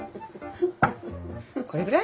これぐらい？